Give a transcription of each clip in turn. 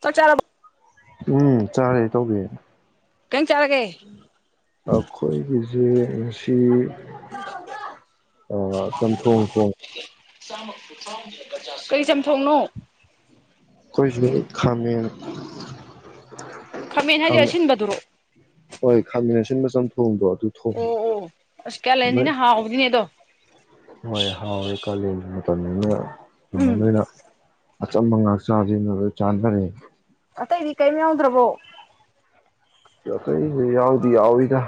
ꯆꯥꯛ ꯆꯥꯔ ꯎꯝ ꯆꯥꯔꯦ ꯇꯧꯒꯦ ꯀꯩ ꯍꯤꯡꯖꯥꯡ ꯆꯥꯔꯒꯦ ꯑꯈꯣꯏ ꯕꯤꯖꯦ ꯉꯁꯤ ꯆꯝꯊꯣꯡ ꯊꯣꯡ ꯀꯔꯤ ꯆꯝꯊꯣꯡꯅꯣ ꯑꯩꯈꯣꯏꯁꯤ ꯈꯥꯃꯦꯟ ꯈꯥꯃꯦꯟ ꯍꯥꯏꯁꯦ ꯑꯁꯤꯟꯕꯗꯨꯔꯣ ꯍꯣꯏ ꯈꯥꯃꯤꯟꯅ ꯑꯁꯤꯟꯕꯆꯝ ꯊꯣꯡꯗꯣꯦ ꯑꯣ ꯑꯣ ꯑꯁ ꯀꯌꯥ ꯂꯩꯅꯤꯅꯦ ꯍꯥꯎꯥꯎꯗꯤꯅꯦ ꯑꯦꯗꯣ ꯑꯗꯨꯅꯤꯅ ꯏꯃꯅꯅ ꯑꯆꯝꯕ ꯉꯥꯛ ꯆꯁꯤ ꯃ ꯆꯥꯟꯅꯔꯦ ꯑꯠꯇ ꯏ ꯀꯩꯃꯤ ꯌꯥꯎꯗ꯭ꯔꯕꯣ ꯌꯥꯎꯗꯤ ꯌꯥꯎꯏꯗ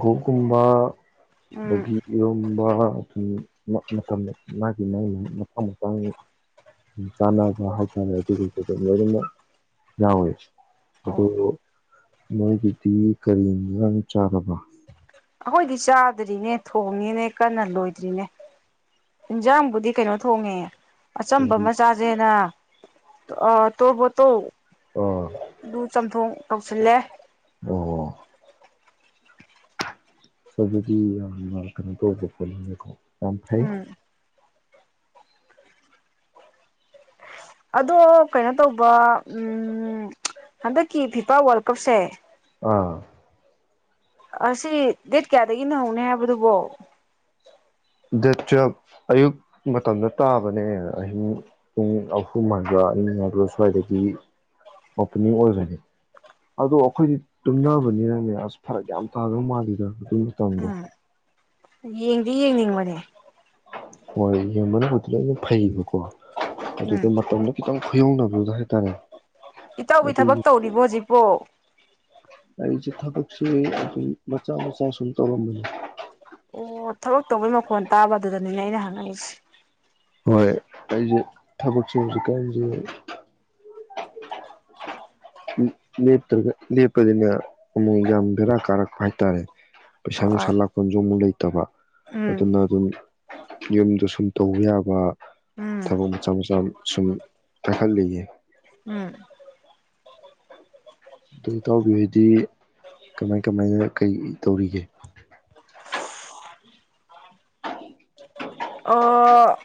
ꯒꯣ ꯀꯨꯝꯕ ꯎꯝ ꯑꯗꯒꯤ ꯌꯣꯟꯕ ꯑꯗꯨꯝ ꯃꯇꯝ ꯃꯥꯒꯤ ꯃꯥꯅ ꯃꯇꯥꯡ ꯃꯥꯡ ꯆꯥꯟꯅꯕ ꯍꯥꯏꯇꯥꯔꯦ ꯑꯗꯨꯒꯒꯤꯨꯝꯕꯗꯣ ꯂꯣꯏꯅꯃꯛ ꯌꯥꯎꯋꯦ ꯑꯣ ꯑꯗꯨꯗꯣ ꯃꯗꯤ ꯀꯔꯤꯅꯤ ꯆꯥꯔꯕ ꯑꯩꯈꯣꯏꯗꯤ ꯆꯥꯗ꯭ꯔꯤꯅꯦ ꯊꯣꯡꯉꯅꯦ ꯀꯟꯅ ꯂꯣꯏꯗ꯭ꯔꯤꯅꯦ ꯏꯟꯖꯥꯡꯕꯨꯗꯤ ꯀꯩꯅꯣ ꯊꯣꯡꯉꯦ ꯑꯆꯝꯕ ꯀꯔꯤ ꯑꯃ ꯆꯥꯥꯁꯦꯅ ꯑ ꯇꯕꯨꯠꯇꯣ ꯑꯥ ꯑꯗꯨꯨ ꯆꯝꯊꯣꯡ ꯇꯧꯁꯤꯜꯂꯦ ꯁꯣ ꯑꯗꯨꯗꯤ ꯌꯥꯝꯅ ꯀꯩꯅꯣ ꯇꯧꯕ ꯄꯣꯠꯂꯝꯃꯦꯀꯣ ꯇꯝꯐꯩ ꯎꯝ ꯑꯗꯣ ꯀꯩꯅꯣ ꯇꯧꯕ ꯎꯝ ꯍꯗ ꯀ ꯐꯤꯄꯥ ꯋꯥ ꯀꯁꯦ ꯑꯥ ꯑꯁꯤ ꯗꯦꯠ ꯀꯌꯥꯗꯒꯤꯅ ꯍꯧꯅꯤ ꯍꯥꯏꯕꯗꯨꯕꯣ ꯗꯦꯠ ꯇꯨꯌꯦꯦꯜꯐ ꯑꯌꯨꯛ ꯃꯇꯝꯗ ꯇꯥꯕꯅꯦ ꯑꯍꯤꯡ ꯄꯨꯡ ꯑꯍꯨꯝ ꯍꯥꯏꯕ꯭ꯔꯥ ꯑꯅꯤ ꯍꯥꯏꯥꯏꯕ꯭ꯔꯥ ꯁ꯭ꯋꯥꯏꯗꯒꯤ ꯑꯣꯄꯅꯤꯡ ꯑꯣꯏꯕꯅꯦ ꯑꯗꯣ ꯑꯩꯈꯣꯏꯗꯤ ꯇꯨꯝꯅꯕꯅꯤꯅꯅꯦ ꯑꯁ ꯐꯔꯛ ꯌꯥꯝ ꯇꯥꯗꯧ ꯃꯥꯜꯂꯤꯗ ꯑꯗꯨ ꯃꯇꯝꯗꯣ ꯎꯝ ꯌꯦꯡꯗꯤ ꯌꯦꯡꯅꯤꯡꯕꯅꯦ ꯍꯣꯏ ꯌꯦꯡꯕꯅꯕꯨꯗꯤ ꯂ ꯑꯗꯨꯝ ꯐꯩꯌꯦꯕꯀꯣ ꯑꯗꯨꯗꯣ ꯃꯇꯝꯗ ꯈꯤꯇꯪ ꯌꯧꯅꯅꯕꯗꯥ ꯏꯇꯧꯒꯤ ꯊꯕꯛ ꯇꯧꯔꯤꯕꯣ ꯍꯧꯖꯤꯛ ꯑꯣ ꯑꯩꯁꯦ ꯊꯕꯛꯁꯨ ꯑꯗꯨꯝ ꯃꯆꯥ ꯃꯆꯥ ꯁꯨꯝ ꯇꯧꯔꯝꯝꯕꯅꯤ ꯑꯣ ꯊꯕꯛ ꯇꯧꯕꯩ ꯃꯈꯣꯟ ꯇꯥꯕ ꯑꯗꯨꯗꯅꯤꯅꯦ ꯑꯩꯅ ꯍꯪꯉꯛꯏꯁꯦ ꯍꯣꯏ ꯑꯩꯁꯦ ꯊꯕꯛꯁꯦ ꯍꯧꯖꯤꯛꯀꯥꯟꯁꯦ ꯦꯇ꯭ꯔꯒ ꯂꯦꯞꯄꯅꯤꯅ ꯑꯃꯨꯛ ꯌꯥꯝ ꯕꯦꯔꯥ ꯀꯥꯔꯛꯄ ꯍꯥꯏꯇꯥꯔꯦ ꯄꯩꯁꯥ ꯅꯨꯡꯁꯥ ꯍꯣꯏ ꯂꯥꯀ ꯌꯨꯝ ꯃꯨ ꯂꯩ ꯐꯠꯇꯕ ꯎꯝ ꯑꯗꯨꯅ ꯑꯗꯨꯝ ꯌꯨꯝꯗ ꯁꯨꯝ ꯇꯧꯕ ꯌꯥꯕ ꯎꯝ ꯊꯕꯛ ꯃꯆꯥ ꯃꯆꯥ ꯁꯨꯝ ꯈꯜꯂꯤꯌꯦ ꯎꯝ ꯑꯗꯨ ꯏꯇꯥꯎꯕꯤ ꯍꯥꯏꯗꯤ ꯀꯃꯥꯏ ꯀꯃꯥꯏꯅ ꯀꯩ ꯇꯧꯔꯤꯒꯦ ꯑꯣ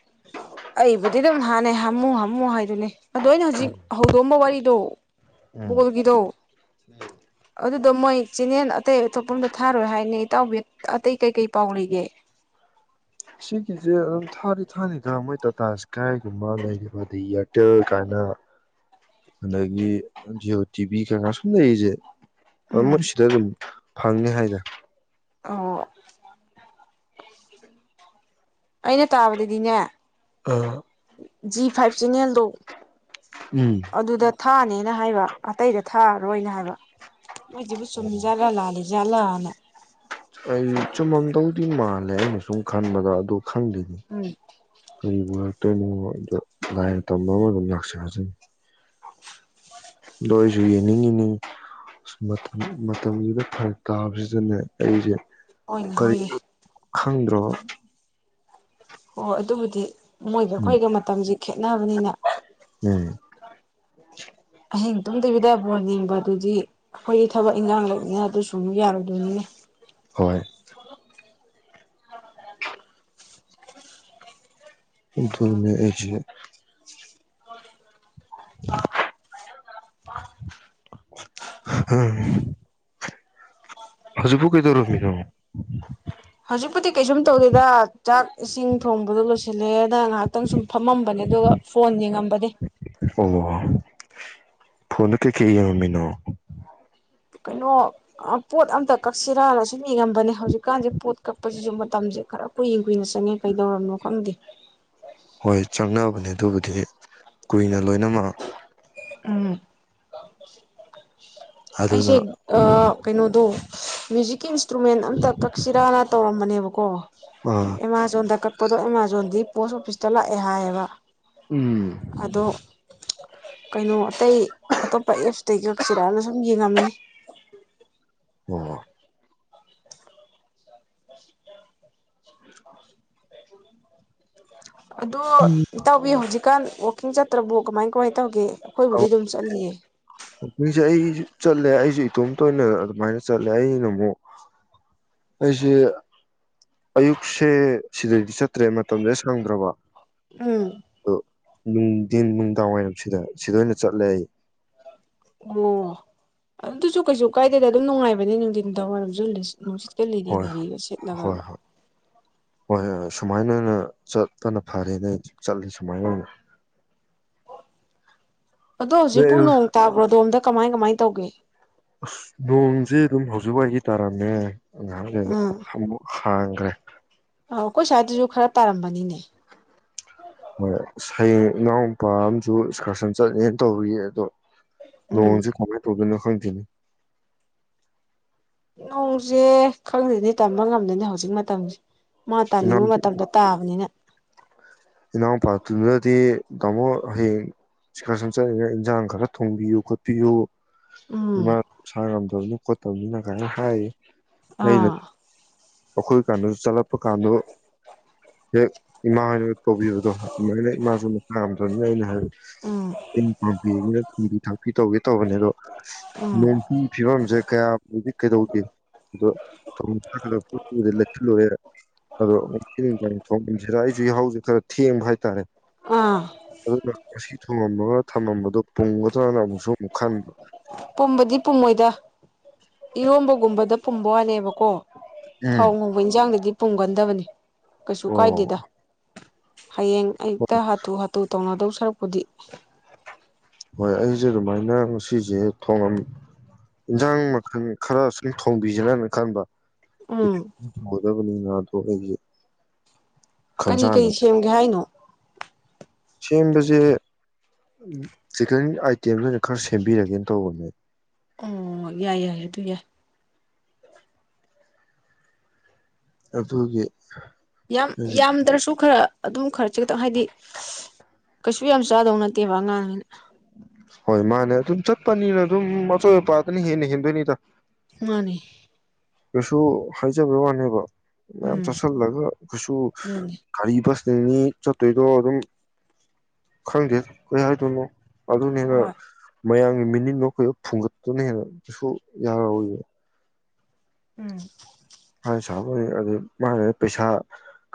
ꯑꯩꯕꯨꯗꯤ ꯑꯗꯨꯝ ꯍꯥꯟꯅꯩ ꯍꯥꯝꯃꯨ ꯍꯥꯝꯃꯨ ꯍꯥꯏꯗꯨꯅꯦ ꯑꯗꯣ ꯑꯩꯅ ꯍꯧꯖꯤꯛ ꯍꯧꯗꯣꯛꯑꯝꯕ ꯋꯥꯔꯤꯗꯣ ꯎꯝ ꯕ‌ꯣꯜꯒꯤꯗꯣ ꯑꯗꯨꯗꯣ ꯃꯣꯏ ꯆꯦꯅꯦꯟ ꯑꯇꯩ ꯑꯇꯣꯞꯄ ꯑꯃꯗ ꯊꯥꯔꯣꯏ ꯍꯥꯏꯅ‌ꯦ ꯏꯇꯥꯎꯕꯤ ꯑꯇꯩ ꯀꯩ ꯀꯩ ꯄꯥꯎ ꯂꯩꯒꯦ ꯁꯤꯒꯤꯁꯦ ꯑꯗꯨꯝ ꯊꯥꯗꯤ ꯊꯥꯅꯤꯗ ꯃꯣꯏ ꯇꯥꯇꯥ ꯏꯁꯀꯥꯏꯒꯨꯝꯕ ꯂꯩꯔꯤꯕ ꯑꯗꯩ ꯏꯌꯥꯔꯇꯦꯜ ꯀꯥꯏꯅ ꯑꯗꯒꯤ ꯖꯤꯌꯑꯣ ꯇꯤꯚꯤ ꯀꯥꯏꯅ ꯁꯨꯝ ꯂꯩꯔꯤꯁꯦ ꯃꯍꯨꯠ ꯎꯝ ꯁꯤꯗ ꯑꯗꯨꯝ ꯐꯪꯅꯤ ꯍꯥꯏꯗ ꯑꯣ ꯑꯩꯅ ꯇꯥꯕꯗꯗꯤꯅꯦ ꯑꯥ ꯖꯤ ꯐꯥꯏꯚ ꯆ‌ꯦꯅꯦꯜꯗꯣ ꯑꯗꯨꯗ ꯊꯥꯅꯦꯅ ꯍꯥꯏꯕ ꯑꯇꯩꯗ ꯊꯥꯔꯣꯏꯅ ꯍꯥꯏꯕ ꯃꯣꯏꯁꯤꯕꯨꯨ ꯑꯣ ꯆꯨꯝꯃꯤꯖꯥꯠꯂ ꯂꯥꯜꯂꯤ ꯖꯠꯂꯅ ꯑꯩ ꯆꯨꯝꯃꯝꯗꯧꯗꯤ ꯃꯥꯜꯂꯦ ꯑꯩꯅ ꯁꯨꯝ ꯈꯟꯕꯗ ꯑꯗꯨ ꯎꯝ ꯀꯔꯤꯕꯨ ꯑꯣꯏꯔꯛꯇꯣꯏꯅꯣ ꯑꯗ‌ꯣ ꯂꯥꯏꯅ ꯇꯝꯕ ꯑꯃ ꯑꯗꯨꯝ ꯂꯥꯛꯆꯔꯖꯅꯤ ꯑꯗ‌ꯣ ꯑꯩꯁꯨ ꯌꯦꯡꯅꯤꯡꯉꯤꯅ‌ꯦ ꯃꯇꯝ ꯃꯇꯝꯁꯤꯗ ꯐꯔꯛ ꯇꯥꯕꯁꯤꯗꯅꯦ ꯑꯩꯁꯦ ꯍ‌ꯣꯏꯅꯦ ꯍ‌ꯣꯏꯅꯦ ꯀꯔꯤꯅꯣ ꯈꯪꯗ꯭ꯔꯣ ꯍꯣꯏ ꯑꯗꯨꯕꯨꯗꯤ ꯃꯣꯏꯒ ꯑꯩꯈꯣꯏꯒ ꯃꯇꯝꯁꯤ ꯈꯦꯠꯅꯕꯅꯤꯅ ꯎꯝ ꯑꯍꯤꯡ ꯇꯣꯝ ꯇꯤꯕꯤꯗ ꯕꯣꯜ ꯌꯦꯡꯕꯗꯨꯗꯤ ꯑꯩꯈꯣꯏꯒꯤ ꯊꯕꯛ ꯏꯟꯈꯥꯡ ꯂꯩꯕꯅꯤꯅ ꯑꯗꯨꯁꯨ ꯃꯨꯛ ꯌꯥꯔꯣꯏꯗꯩꯅꯤꯅꯦ ꯍꯣꯏ ꯑꯗꯨꯅ‌ꯦ ꯑꯩꯁ‌ꯦ ꯑꯥ ꯍꯧꯖꯤꯛꯕꯨꯨ ꯀꯩꯗꯧꯔꯝꯃꯤꯅ‌ꯣ ꯍꯧꯖꯤꯛꯄꯨꯗꯤ ꯀꯩꯁꯨꯝ ꯇꯧꯗꯦꯗ ꯆꯥꯛ ꯏꯁꯤꯡ ꯊꯣꯡꯕꯗꯣ ꯂꯣꯏꯁꯤꯜꯂꯦꯅ ꯉꯥꯏꯍꯥꯛꯇꯪ ꯁꯨꯝ ꯐꯝꯃꯝꯕꯅꯦ ꯑꯗꯨꯒ ꯐꯣꯟ ꯌꯦꯡꯉꯝꯕꯅꯦ ꯑꯣ ꯐꯣꯟꯗ ꯀꯩꯀꯩ ꯌꯦꯡꯉꯝꯃꯤꯅꯣ ꯀꯩꯅꯣ ꯄꯣꯠ ꯑꯝꯇ ꯀꯛꯁꯤꯔꯅ ꯁꯨꯝ ꯌꯦꯡꯉꯝꯕꯅꯦ ꯍꯧꯖꯤꯛꯀꯥꯟꯁꯦ ꯄꯣꯠ ꯀꯛꯄꯁꯤꯁꯨ ꯃꯇꯝꯁꯦ ꯈꯔ ꯀꯨꯏꯅ ꯀꯨꯏꯅ ꯆꯪꯉꯦ ꯀꯩꯗꯧꯔꯕꯅꯣ ꯈꯪꯗꯦ ꯍꯣꯏ ꯆꯪꯅꯕꯅꯦ ꯑꯗꯨꯕꯨꯗꯤ ꯀꯨꯏꯅ ꯂꯣꯏꯅꯃꯛ ꯎꯝ ꯑꯗꯨꯅ ꯑꯩꯁꯦ ꯀꯩꯅꯣꯗꯣ ꯃ꯭ꯌꯨꯖꯤꯛꯀꯤ ꯏꯟꯁꯇ꯭ꯔꯨꯃꯦꯟ ꯑꯝꯇ ꯀꯛꯁꯤꯔꯥꯅ ꯇꯧꯔꯝꯕꯅꯦꯕ ꯔꯨꯀꯣ ꯑ ꯑꯦꯃꯥꯖꯣꯟꯗ ꯀꯛꯄꯗꯣ ꯑꯃꯥꯃꯥꯖꯣꯟꯒꯤ ꯄꯣꯁ ꯑꯣꯐꯤꯁꯇ ꯂꯥꯛꯑꯦ ꯍꯥꯏꯌꯦꯕ ꯎꯝ ꯑꯗꯣ ꯀꯩꯅꯣ ꯑꯇꯩ ꯑꯇꯣꯞꯄ ꯑꯦꯞꯁꯇ ꯀꯛꯁꯤꯔꯛꯑꯒ ꯁꯨꯝ ꯌꯦꯡꯉꯝꯃꯤꯅꯤ ꯑꯣ [unintelligible] ꯑꯣ ꯇꯧꯕꯤꯌꯨ ꯍꯧꯖꯤꯛ ꯀꯥꯟ ꯋꯀꯤꯡ ꯆꯠꯇ꯭ꯔꯕꯨ ꯀꯃꯥꯏ ꯀꯃꯥꯏꯅ ꯇꯧꯒꯦ ꯑꯩꯈꯣꯏꯕꯨꯗꯤ ꯑꯗꯨꯝ ꯆꯠꯂꯤꯌꯦ ꯑꯅꯤꯁ ꯆꯜ ꯑꯩꯁꯨ ꯏꯇꯣꯝꯇꯣꯏꯅ ꯑꯗꯨꯃꯥꯏꯅ ꯆꯠꯂꯦ ꯑꯩꯅ ꯑꯃꯨꯛ ꯑꯩꯁꯦ ꯑꯌꯨꯛꯁꯦ ꯁꯤꯗꯩꯗꯤ ꯆꯠꯇ꯭ꯔꯦ ꯃꯇꯝꯁꯦ ꯁꯪꯗ꯭ꯔꯕ ꯎꯝ ꯑꯗꯣ ꯅꯨꯡꯊꯤꯟ ꯅꯨꯡꯗꯥꯡꯋꯥꯏꯔꯝꯁꯤꯗ ꯁꯤꯗ ꯑꯣꯏꯅ ꯆꯠꯂꯦ ꯑꯩ ꯑꯣ ꯑꯗꯨꯁꯨ ꯀꯩꯁꯨ ꯀꯥꯏꯗꯦꯗ ꯑꯗꯨꯝ ꯅꯨꯡꯉꯥꯏꯕꯅꯦ ꯅꯨꯡꯊꯤꯟ ꯊ ꯋꯥꯏꯔꯝꯁꯨ ꯅꯨꯡꯠ ꯍꯦꯛꯇ ꯂꯤꯔꯤ ꯍꯣꯏ ꯂꯤꯅꯤꯒ ꯁꯦꯠꯂꯕ ꯍꯣꯏ ꯍꯣꯏ ꯍꯣꯏ ꯍꯣꯏꯣꯏ ꯁꯨꯃꯥꯏꯅ ꯑꯣꯏꯅ ꯆꯄꯅ ꯐꯔꯦ ꯅ ꯆꯠꯂꯦ ꯁꯨꯃꯥꯏꯅ ꯑꯣꯏꯅ ꯑꯗꯣ ꯍꯧꯖꯤꯛꯄꯨ ꯑꯣꯏꯅ ꯅꯣꯡ ꯇꯥꯕ꯭ꯔꯣꯗꯣ ꯑꯝꯇ ꯀꯃꯥꯏ ꯀꯃꯥꯏ ꯇꯧꯒꯦ ꯑꯁ ꯅꯣꯡꯁꯦ ꯑꯗꯨꯝ ꯍꯧꯖꯤꯛ ꯋꯥꯏꯒꯤ ꯇꯥꯔꯝꯃꯦ ꯑꯥꯡꯦꯃ ꯎꯝ ꯐꯥꯡꯈ꯭ꯔꯦ ꯑ ꯑꯩꯈꯣꯏ ꯁ꯭ꯋꯥꯏꯗꯁꯨ ꯈꯔ ꯇꯥꯔꯝꯕꯅꯤꯅꯦ ꯍꯣꯏ ꯍꯌꯦꯡ ꯏꯅꯥꯎ ꯅꯨꯄꯥ ꯑꯃꯁꯨ ꯑꯦꯛꯁꯀꯔꯁꯟ ꯆꯠꯅꯦꯅ ꯇꯧꯕꯌꯦ ꯑꯗꯣ ꯎꯝ ꯂꯣꯟꯁꯦ ꯀꯃꯥꯏꯅ ꯇꯧꯗꯣꯏꯅꯣ ꯀ ꯊꯅ ꯅꯣꯡꯁꯦ ꯈꯪꯗꯅꯤ ꯇꯝꯕ ꯉꯝꯗꯣꯏꯅꯤ ꯍꯧꯖꯤꯛ ꯃꯇꯝꯁꯦ ꯃꯥ ꯏꯅꯥꯎ ꯇꯥꯅꯤꯡꯕ ꯃꯇꯝꯗ ꯇꯥꯕꯅꯤꯅ ꯏꯅꯥꯎꯄꯥꯗꯨꯨꯗꯗꯤ ꯇꯥꯃꯣ ꯍꯌꯦꯡ ꯆꯤꯀꯔ ꯁꯟ ꯆꯠꯂꯒ ꯏꯟꯖꯥꯡ ꯈꯔ ꯊꯣꯡꯕꯤꯌꯨ ꯈꯣꯠꯄꯤꯌꯨ ꯎꯝ ꯏꯃ ꯁꯉ ꯇꯧꯅꯤ ꯈꯣꯠꯇꯧꯅꯤꯅ ꯀꯥꯏꯅ ꯍꯥꯏꯔꯤ ꯑꯩꯅ ꯑꯥ ꯑꯩꯈꯣꯏ ꯀꯥꯟꯗꯁꯨ ꯆꯠꯂꯛꯄ ꯀꯥꯟꯗ ꯍꯦꯛ ꯏꯃꯥ ꯍꯅ ꯇꯧꯕꯤꯕꯗꯣ ꯑꯗꯨꯃꯥꯏꯅ ꯏꯃꯥꯁꯨꯅ ꯄꯥꯝꯗꯕꯅꯤꯅ ꯑꯩꯅ ꯍꯥꯏꯕꯦ ꯎꯝ ꯇꯤꯟ ꯄꯥꯝꯕꯤꯅꯤꯅ ꯊꯨꯝꯕꯤ ꯊꯥꯛꯄꯤ ꯇꯧꯒꯦ ꯇꯧꯕꯅꯦ ꯑꯗꯣ ꯎꯝ ꯌꯦꯟꯁꯤ ꯐꯤꯕꯝꯁꯦ ꯀꯌꯥꯕꯨꯗꯤꯛ ꯀꯩꯗꯧꯗꯦ ꯊꯂꯒꯗꯤ ꯂꯩꯁꯤꯜꯂꯨꯔꯦ ꯑꯗꯣ ꯉ ꯊꯣꯡꯁꯤꯔ ꯑꯩꯁꯨꯖ ꯈꯔ ꯊꯦꯡꯕ ꯍꯥꯏꯇꯥꯔꯦ ꯑꯥ ꯑꯗꯨꯅ ꯉꯁꯤ ꯊꯣꯡꯉ ꯊꯝꯃꯝꯕꯗꯨꯣ ꯄꯨꯡꯒꯗ꯭ꯔꯅ ꯑꯃꯨꯛꯁꯨ ꯑꯃꯨꯛ ꯈꯟꯕ ꯄꯨꯝꯕꯗꯤ ꯄꯨꯝꯃꯣꯏꯗ ꯏꯔꯣꯝꯕꯒꯨꯝꯕꯗ ꯄꯨꯝꯕ ꯋꯥꯠꯂꯦꯕꯀꯣ ꯊꯥꯎ ꯎꯝ ꯉꯣꯡꯕꯅꯤꯁꯦ ꯑꯪꯗꯗꯤ ꯄꯨꯡꯒꯟꯗꯕꯅꯤ ꯀꯩꯁꯨ ꯀꯥꯏꯗꯦꯗ ꯑꯣ ꯍꯌꯦꯡ ꯑꯌꯨꯛꯇ ꯍꯥꯊꯨ ꯍꯥꯊꯨ ꯇꯧꯅꯗꯧꯁ ꯈꯔꯛꯄꯨꯗꯤ ꯍꯣꯏ ꯑꯩꯁꯦ ꯑꯗꯨꯃꯥꯏꯅ ꯉꯁꯤꯁꯦ ꯊꯣꯡꯉꯝ ꯏꯟꯁꯥꯡ ꯃꯈꯜ ꯈꯔ ꯁꯨꯝ ꯊꯣꯡꯕꯤꯁꯦꯅꯅ ꯈꯟꯕ ꯎꯝ ꯃꯖꯕꯅꯤ ꯉ ꯇꯉꯒꯤ ꯀꯔꯤ ꯀꯔꯤ ꯁꯦꯝꯒꯦ ꯍꯥꯏꯅꯣ ꯁꯦꯝꯕꯁꯦ ꯆꯤꯀꯟ ꯑꯥꯏꯇꯦꯝ ꯑꯣꯏꯅ ꯈꯔ ꯁꯦꯝꯕꯤꯔꯒꯦꯅ ꯇꯧꯕꯅꯦ ꯑꯣ ꯌꯥꯏ ꯌꯥꯏ ꯑꯗꯨ ꯌꯥꯏ ꯑꯕꯨꯒꯤ ꯌꯥꯝ ꯌꯥꯝꯗ꯭ꯔꯁꯨ ꯈꯔ ꯑꯗꯨꯝ ꯈꯔ ꯈꯤꯛꯇꯪ ꯍꯥꯏꯗꯤ ꯀꯩꯁꯨ ꯌꯥꯝ ꯆꯥꯗꯧ ꯅꯠꯇꯦꯕ ꯑꯉꯥꯡꯅꯤꯅ ꯍꯣꯏ ꯃꯥꯅꯦ ꯑꯗꯨꯝ ꯆꯠꯄꯅꯤꯅ ꯑꯗꯨꯝ ꯑꯆꯣꯏ ꯑꯄꯥꯇꯅ ꯍꯦꯟꯅ ꯍꯦꯟꯗꯣꯏꯅꯤꯗ ꯃꯥꯅꯦ ꯀꯩꯁꯨ ꯍꯥꯏꯖꯕ ꯋꯥꯅꯦꯕ ꯃ ꯎꯝ ꯆꯁ ꯂ ꯀꯁꯨ ꯑꯗꯨꯅꯤ ꯀꯒꯥꯔꯤꯕꯁ ꯆꯦꯡꯅꯤ ꯆꯥꯇꯨꯔꯤꯗꯣ ꯑꯗꯨꯝ ꯈꯪꯗꯦ ꯀꯔꯤ ꯍꯥꯏꯗꯣꯏꯅꯣ ꯑꯗꯨ ꯑꯗꯨꯅꯦꯔ ꯍꯣꯏ ꯃꯌꯥꯝꯒꯤ ꯃꯤꯅꯤꯗꯣ ꯑꯩꯈꯣꯏ ꯐꯨꯡꯒꯠꯇꯨꯅ ꯍꯦꯟꯅ ꯀꯁꯨ ꯌꯥꯔꯏ ꯎꯝ ꯍꯥꯏ ꯁꯥꯕꯅꯤ ꯑꯗꯨ ꯃꯥꯅ ꯄꯩꯁꯥ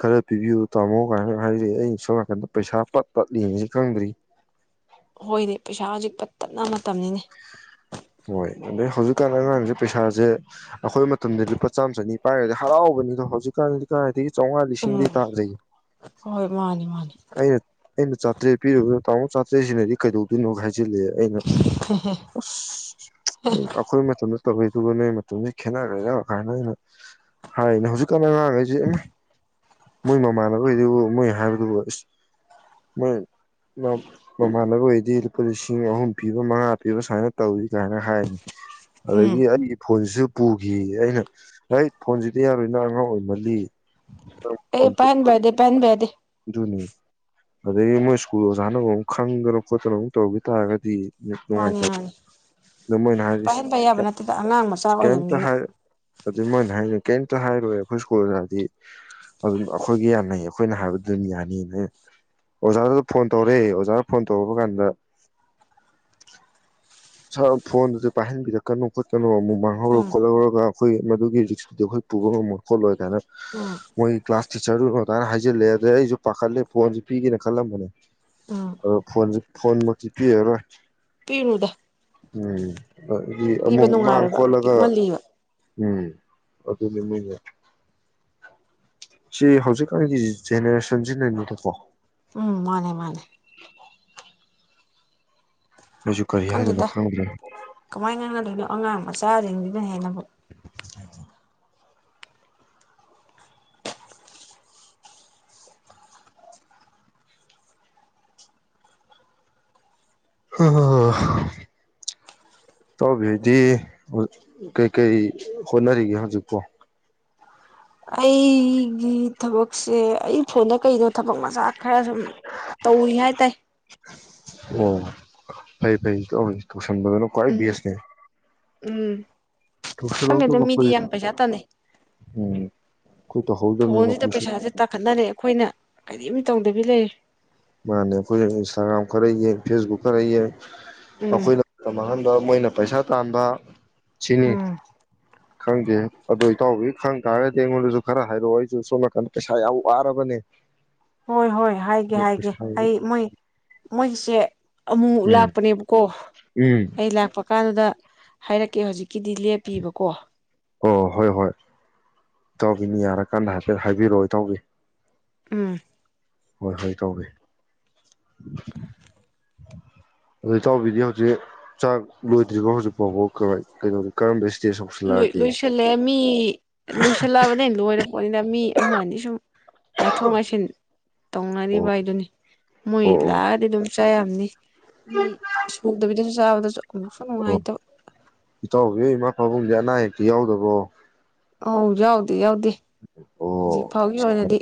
ꯈꯔ ꯄꯤꯕꯤꯌꯨ ꯇꯥꯝꯃꯣ ꯀꯥꯏꯅ ꯍꯥꯏꯔꯛꯑꯦ ꯑꯩꯅ ꯁꯝ ꯅꯥꯀꯟꯗ ꯄꯩꯁꯥ ꯄꯠ ꯄꯠꯂꯤꯉꯁꯤ ꯈꯪꯗ꯭ꯔꯤ ꯍꯣꯏꯅꯦ ꯄꯩꯁꯥ ꯍꯧꯖꯤꯛ ꯄ ꯇꯠꯅ ꯃꯇꯝꯅꯤꯅꯦ ꯍꯣꯏ ꯑꯗꯩ ꯍꯧꯖꯤꯛꯀꯥꯟ ꯑꯉꯥꯡꯁꯦ ꯄꯩꯁꯥꯁꯦ ꯑꯩꯈꯣꯏ ꯃꯇꯝꯗ ꯂꯨꯄꯥ ꯆꯥꯝꯃ ꯆꯅꯤ ꯄꯥꯏꯔꯗꯤ ꯍꯔꯥꯎꯕꯅꯤꯗꯣ ꯍꯧꯖꯤꯛꯀꯥꯟꯗꯤ ꯀꯥꯏꯗꯒꯤ ꯆꯥꯝꯃꯉꯥ ꯎꯝ ꯂꯤꯁꯤꯡꯗꯤ ꯇꯥꯖꯩ ꯍꯣꯏ ꯃꯥꯅꯤ ꯃꯥꯅꯤ ꯑꯩꯅ ꯑꯩꯅ ꯆꯥꯇ꯭ꯔꯦꯠ ꯄꯤꯨꯗꯣ ꯇꯥꯃꯣ ꯆꯥꯇ꯭ꯔꯦꯠꯁꯤꯅꯗꯤ ꯀꯩꯗꯧꯗꯣꯏꯅꯣ ꯍꯥꯏꯦ ꯆ ꯁꯤꯜꯂꯤꯑꯦ ꯑꯩꯅ ꯑꯁ ꯑ ꯑꯩꯈꯣꯏ ꯃꯇꯝꯗ ꯇꯧꯈꯩꯗꯨꯒ ꯅꯣꯏ ꯃꯇꯝꯁꯦ ꯈꯦꯠꯅꯈ ꯌꯥꯝꯉ ꯀꯥꯟꯗ ꯑꯩꯅ ꯍꯥꯏꯅꯦ ꯍꯧꯖꯤꯛꯀꯥꯟ ꯑꯉꯥꯡꯈꯩꯁꯦ ꯃꯣꯏ ꯃꯃꯥꯟꯅꯕꯩꯗꯨꯕꯨ ꯃꯣꯏ ꯍꯥꯏꯕꯗꯨꯕꯨ ꯑꯁ ꯍ ꯃꯃꯅꯕꯨ ꯑꯣꯏ ꯗꯤ ꯂꯨꯄꯥ ꯂꯤꯁꯤꯡ ꯑꯍꯨꯝ ꯄꯤꯕ ꯃꯉꯥ ꯄꯤꯕ ꯁꯨꯃꯥꯏꯅ ꯇꯧꯏ ꯀꯥꯏꯅ ꯍꯥꯏꯅꯤ ꯎꯝ ꯑꯗꯒꯤ ꯑꯩꯒꯤ ꯐꯣꯟꯁꯤꯁꯨ ꯄꯨꯈꯤ ꯑꯩꯅ ꯍꯣꯏ ꯐꯣꯟꯁꯤꯗꯤ ꯌꯥꯔꯣꯏꯅ ꯑꯉꯥꯡ ꯑꯣꯏꯃꯜꯂꯤ ꯑꯦ ꯄꯟꯕꯗꯦ ꯄꯟꯕ ꯌꯥꯗꯦ ꯖꯅꯤ ꯑꯗꯒꯤ ꯃꯣꯏ ꯁ꯭ꯀꯨꯜ ꯑꯣꯖꯥꯅ ꯑꯃꯨꯛ ꯈꯪꯗꯅ ꯈꯣꯠꯇꯅ ꯑꯃꯨꯛ ꯇꯧꯒꯤ ꯇꯥꯔꯒꯗꯤ ꯃꯥꯅꯤ ꯅꯨꯡꯉꯥꯏꯇꯕ ꯃꯥꯅꯤ ꯑꯗꯨ ꯃꯣꯏꯅ ꯍꯥꯏꯔꯤ ꯏꯁ ꯄꯥꯏꯍꯟꯕ ꯌꯥꯕ ꯅꯠꯇꯦꯗ ꯑꯉꯥꯡ ꯃꯆꯥ ꯀꯩꯝꯇ ꯑꯣꯏꯔꯤꯕꯅꯤꯅ ꯍꯥꯏ ꯑꯗꯨ ꯃꯣꯏꯅ ꯍꯥꯏꯖꯤ ꯀꯩꯝꯇ ꯍꯥꯏꯔꯣꯏ ꯑꯈꯣꯏ ꯁ꯭ꯀꯨꯜ ꯑꯣꯖꯥꯗꯤ ꯑꯗꯨꯝ ꯑꯈꯣꯏꯒꯤ ꯌꯥꯅꯩ ꯑꯈꯣꯏꯅ ꯍꯥꯏꯕ ꯗꯨꯝ ꯌꯥꯅꯤꯅ ꯑꯣꯖꯥꯗꯨꯗ ꯐꯣꯟ ꯇꯧꯔꯦ ꯑꯣꯖꯥ ꯐꯣꯟ ꯇꯧꯔꯛꯄ ꯀꯥꯟꯗ ꯁꯥꯔ ꯐꯣꯟꯗꯨꯗꯤ ꯄꯥꯏꯍꯟꯕꯤꯔꯛꯀꯅꯨ ꯈꯣꯠꯀꯅꯨ ꯑꯃꯨꯛ ꯃꯥꯡꯍꯧꯔ ꯎꯝ ꯈꯣꯠꯂꯒ ꯈꯣꯏ ꯃꯗꯨꯒꯤ ꯔꯤꯛꯇꯨꯗꯤ ꯑꯈꯣꯏ ꯄꯨꯕ ꯉꯝꯃꯣꯏ ꯈꯣꯠꯂꯣꯏ ꯀꯥꯏꯅ ꯎꯝ ꯃꯣꯏ ꯀ꯭ꯂꯥꯁ ꯇꯤꯆꯔꯗꯨ ꯑꯗꯥꯏꯅ ꯍꯥꯏꯖꯜꯂꯦ ꯑꯗꯩ ꯑꯩꯖꯨ ꯄꯥꯈꯠꯂꯦ ꯐꯣꯟꯖꯤ ꯄꯤꯒꯦꯅ ꯈꯜꯂꯝꯕꯅꯦ ꯎꯝ ꯑꯗꯣ ꯐꯣꯟꯖꯤ ꯐꯣꯟꯃꯛꯇꯤ ꯄꯤꯔꯔꯣꯏ ꯄꯤꯔꯨꯅꯨꯗ ꯎꯝ ꯑꯗꯒꯤ ꯄꯤꯕ ꯑꯃꯨꯛ ꯃꯥꯡ ꯅꯨꯡꯉꯥꯏꯔꯣꯏꯕ ꯈꯣꯠꯂꯒ ꯄꯤꯛꯃꯜꯂꯤꯕ ꯎꯝ ꯑꯗꯨꯅꯤ [unintelligible] ꯁꯤ ꯍꯧꯖꯤꯛꯀꯥꯟꯒꯤ ꯖꯦꯅꯦꯔꯦꯁꯟꯖꯤꯅꯅꯤꯗꯀꯣ ꯎꯝ ꯃꯥꯅꯦ ꯃꯥꯅꯦ ꯑꯩꯖꯨ ꯀꯔꯤ ꯍꯥꯢꯗꯣꯏꯅꯣ ꯈꯪꯗꯦꯗ ꯈꯪꯗꯔ꯭ꯦ ꯀꯃꯥꯏꯅ ꯉꯥꯡꯅꯗꯣꯏꯅꯣ ꯑꯉꯥꯡ ꯃꯆꯥꯖꯤꯡꯖꯤꯅ ꯍꯦꯟꯅꯕꯨ [unintelligible] ꯑ ꯏꯇꯥꯎꯕꯤꯗꯤ ꯀꯩꯀꯩ ꯍꯣꯠꯅꯔꯤꯒꯦ ꯍꯧꯖꯤꯛꯄꯣ ꯑꯩꯒꯤ ꯊꯕꯛꯁꯦ ꯑꯩ ꯐꯣꯟꯗ ꯀꯩꯗ ꯊꯕꯛ ꯃꯆꯥ ꯈꯔ ꯁꯨꯝ ꯇꯧꯔꯤ ꯍꯥꯏ ꯇꯥꯏ ꯑꯣ ꯐꯩ ꯐꯩ ꯁꯪꯕꯗꯅ ꯈꯋ꯭ꯥꯏ ꯎꯝ ꯕꯦꯁ ꯅꯦ ꯎꯝ ꯈꯪꯗꯦꯗ ꯃꯤꯗꯤ ꯑꯩꯈꯣꯏ ꯌꯥꯝ ꯄꯩꯁꯥ ꯇꯥꯟꯅꯩ ꯎꯝ ꯑꯩꯈꯣꯏ ꯇꯧꯍꯧꯗꯕꯅꯤꯅ ꯐꯣꯟꯖꯤꯗ ꯑꯩꯈꯣꯏꯁꯨ ꯄꯩꯁꯥꯖꯦ ꯇꯥꯈꯠꯅꯔꯦ ꯑꯈꯣꯏꯅ ꯀꯔꯤꯝ ꯇꯧꯗꯕꯤ ꯂꯩ ꯃꯥꯥꯟꯅꯦ ꯈꯣꯏꯅ ꯏꯟꯁꯇꯥꯒ꯭ꯔꯥꯝ ꯈꯔ ꯌꯦꯡ ꯐꯦꯁꯕꯨꯛ ꯈꯔ ꯌꯦꯡ ꯎꯝ ꯑꯈꯣꯏꯅ ꯇꯝ ꯃꯥꯡꯍꯟ ꯑ ꯃꯣꯏꯅ ꯄꯩꯁꯥ ꯇꯥꯟꯕ ꯁꯤꯅꯤ ꯎꯝ ꯈꯪꯗꯦ ꯑꯗꯣ ꯏꯇꯥꯎꯕꯤ ꯈꯪ ꯇꯥꯔꯒꯗꯤ ꯑꯩꯉꯣꯟꯗꯖꯨ ꯈꯔ ꯍꯥꯏꯔꯛꯑꯣ ꯑꯩꯖꯨ ꯁꯣꯝ ꯅꯥꯀꯟꯗ ꯄꯩꯁꯥ ꯌꯥꯝ ꯋꯥꯔꯕꯅꯦ ꯍꯣꯏ ꯍꯣꯏ ꯍꯥꯏꯒꯦ ꯍꯥꯏ ꯄꯩꯁꯥ ꯍꯥꯏꯒꯦ ꯑꯩ ꯃꯣꯏ ꯃꯣꯏꯒꯤꯁꯦ ꯑꯃꯨꯛ ꯎꯝ ꯂꯥꯛꯄꯅꯦꯕꯀꯣ ꯎꯝ ꯑꯩ ꯂꯥꯛꯄ ꯀꯥꯟꯗꯨꯗ ꯍꯥꯏꯔꯛꯀꯦ ꯍꯧꯖꯤꯛ ꯀꯤꯗꯤ ꯂꯦꯞꯄꯤꯕꯀꯣ ꯑꯣ ꯍꯣꯏ ꯍꯣꯏ ꯏꯇꯥꯎꯕꯤꯅꯤ ꯌꯥꯔ ꯀꯥꯟꯗ ꯍꯥꯏꯐꯦꯠ ꯍꯥꯏꯕꯤꯔꯛꯑꯣ ꯏꯇꯥꯎꯕꯤ ꯎꯝ ꯍꯣꯏ ꯍꯣꯏ ꯇꯧꯒꯦ ꯑꯗꯨ ꯇꯥꯎꯕꯤꯗꯤ ꯍꯧꯖꯤꯛ ꯆꯥꯛ ꯂꯣꯏꯗ꯭ꯔꯤꯔꯤꯕꯣ ꯍꯧꯖꯤꯛ ꯐꯥꯎꯕ ꯀꯧ ꯀꯔꯝꯕ ꯏꯁꯇꯦꯖ ꯂ ꯌꯧꯁꯤꯜꯂꯛꯑꯒꯦ ꯂꯣꯏꯁꯜꯂꯦ ꯃꯤ ꯂꯣꯏꯁꯜꯂꯛꯑꯕꯅꯦ ꯂꯣꯏꯔꯕ ꯑꯩꯈꯣꯅꯤꯅ ꯃꯤ ꯑꯃꯅꯤ ꯑꯅꯤ ꯁꯨꯝ ꯉꯥꯏꯊꯣꯛ ꯉꯥꯏꯁꯤꯟ ꯇꯧꯅꯔꯤꯕ ꯑꯣ ꯍꯥꯏꯗꯨꯅꯤ ꯃꯣꯏ ꯑꯣ ꯑꯣ ꯂꯥꯛꯑꯗꯤ ꯑꯗꯨꯝ ꯄꯆꯥꯥ ꯌꯥꯝꯅꯤ ꯃꯤ ꯁꯨꯗꯕꯤꯗꯁꯨ ꯆꯥꯕꯗꯁꯨ ꯑꯃꯨꯛꯁꯨ ꯑꯣ ꯅꯨꯡꯉꯥꯏꯇꯕ ꯨ ꯌꯥꯎꯗꯕꯣ ꯍꯧ ꯌꯎꯗꯤ ꯌꯎꯗꯤ ꯍꯧꯖꯤꯛ ꯑꯣ ꯐꯥꯎꯒꯤ ꯑꯣꯏꯅꯗꯤ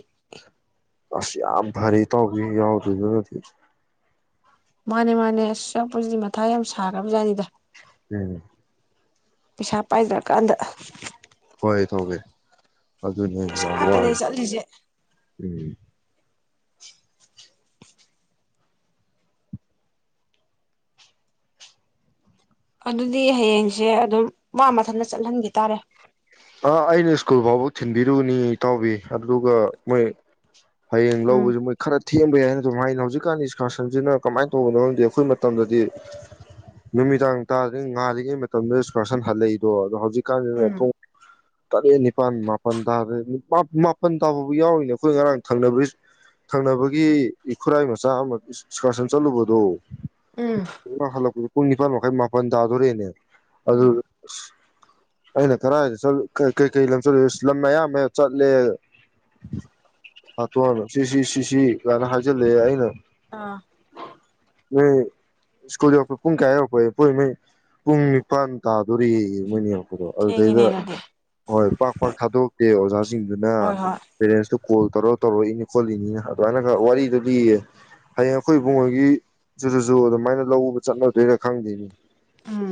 ꯑꯁ ꯌꯥꯝ ꯐꯔꯤ ꯇꯧꯒ ꯌꯥꯎꯗꯗ ꯃꯥꯅꯦ ꯃꯥꯅꯦ ꯑꯁ ꯆꯞꯄꯁꯤꯗꯤ ꯃꯊꯥ ꯌꯥꯝ ꯁꯥꯈ꯭ꯔꯕꯖꯥꯠꯅꯤꯗ ꯎꯝ ꯄꯩꯁꯥ ꯄꯥꯏꯖꯔꯀꯥꯟꯗ ꯍꯣꯏ ꯊꯣꯛꯒꯦ ꯑꯗꯨ ꯑꯗꯨꯅꯦ ꯄꯩꯁꯥ ꯉꯥꯛꯇꯅꯦ ꯌꯥꯏ ꯆꯠꯂꯤꯁꯦ ꯎꯝ ꯑꯗꯨꯗꯤ ꯍꯌꯦꯡꯁꯦ ꯑꯗꯨꯝ ꯋꯥ ꯃꯊꯟꯇ ꯆꯠꯍꯟꯈꯤ ꯇꯥꯔꯦ ꯑꯥ ꯑꯩꯅ ꯁ꯭ꯀꯨꯜ ꯐꯥꯎꯕ ꯊꯤꯟꯕꯤꯔꯨꯕꯅꯤ ꯏ ꯇꯥꯎꯕꯤ ꯑꯗꯨꯒ ꯃꯣꯏ ꯍꯌꯦꯡ ꯎꯝ ꯂꯧꯕꯁꯦ ꯃꯣꯏ ꯈꯔ ꯊꯦꯝꯕ ꯌꯥꯏꯅ ꯑꯗꯨꯝ ꯍꯥꯏꯅ ꯍꯧꯖꯤꯛꯀꯥꯟꯗꯤ ꯏꯁꯀꯥꯔꯁꯟꯁꯤꯅ ꯀꯃꯥꯏꯅ ꯇꯧꯕꯅꯣꯗꯤ ꯑꯩꯈꯣꯏ ꯃꯇꯝꯗꯗꯤ ꯅꯨꯃꯤꯗꯥꯡ ꯇꯥꯗꯔꯤꯉꯩ ꯉꯥꯜꯂꯤꯔꯤꯉꯩ ꯃꯇꯝꯗ ꯏꯁꯀꯔꯁꯟ ꯍꯜꯂꯛꯏꯗꯣ ꯑꯗꯣ ꯍꯧꯖꯤꯛ ꯎꯝ [unintelligible] ꯇꯔꯦꯠ ꯅꯤꯄꯥꯜ ꯃꯥꯄꯜ ꯇꯥꯔꯦ ꯃꯥꯄꯜ ꯇꯥꯕꯕꯨ ꯌꯥꯎꯔꯤꯅꯦ ꯑꯩꯈꯣꯏ ꯉꯔꯥꯡꯅꯕ ꯊꯪꯅꯕꯒꯤ ꯈꯨꯔꯥꯏ ꯃꯆꯥ ꯑꯃ ꯑꯦꯛꯁꯀꯔꯁꯟ ꯆꯠꯂꯨꯕꯗꯣ ꯎꯝ ꯍꯜꯂꯛꯄꯗꯣ ꯄꯨꯡ ꯅꯤꯄꯥꯟ ꯃꯈꯥꯏ ꯃꯥꯄꯜ ꯇꯥꯗꯣꯔꯛꯦꯅꯦꯕ ꯎꯝ ꯑꯗꯨ ꯍꯅ ꯀꯗꯥꯥꯏꯗꯠꯂ ꯀꯩꯀꯩ ꯂꯝ ꯆꯠꯂꯨꯦ ꯂꯝ ꯑꯌꯥꯝꯕ ꯆꯠꯂꯦ ꯍꯥꯇꯣꯟꯅ ꯁꯤꯁꯤ ꯁꯤꯁꯤ ꯀꯥꯏꯅ ꯍꯥꯏꯖꯤꯜꯂꯛꯑꯦ ꯑꯩꯅ ꯑꯥ ꯅꯣꯏ ꯁ꯭ꯀꯨꯜ ꯌꯧꯔꯛꯄ ꯄꯨꯡ ꯀꯌꯥ ꯌꯧꯔꯛꯄꯦ ꯄꯣꯏ ꯅꯣꯏ ꯄꯨꯡ ꯅꯤꯄꯥꯟ ꯇꯥꯗꯣꯔꯤ ꯃꯣꯏꯅ ꯌꯧꯔꯛꯄꯗꯣ ꯊꯦꯡꯉꯤꯅꯦ ꯑꯗꯨꯗꯩꯗ ꯑꯗꯨꯗꯤ ꯍꯣꯏ ꯄꯥꯛ ꯄꯥꯛ ꯊꯥꯗꯣꯛꯇꯦ ꯑꯣꯖꯥꯅ ꯁꯤꯡꯗꯨꯅ ꯍꯣꯏ ꯍꯣꯏ ꯄꯦꯔꯦꯟꯇ ꯀꯣꯜ ꯇꯧꯔꯒ ꯇꯧꯔꯛꯏꯅꯤ ꯈꯣꯠꯂꯤꯅꯤꯅ ꯑꯗꯨꯃꯥꯏꯅ ꯈꯔ ꯋꯥꯔꯤꯗꯨꯗꯤꯌꯦ ꯍꯌꯦꯡ ꯑꯩꯈꯣꯏ ꯏꯕꯨꯡꯉꯣꯏꯒꯤꯁꯤꯗꯁꯨ ꯑꯗꯨꯃꯥꯏꯅ ꯂ ꯎꯕ ꯆꯠꯅꯗꯣꯏꯔꯥ ꯈꯪꯗꯣꯏꯅꯤ ꯎꯝ